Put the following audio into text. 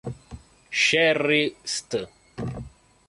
Cherry St.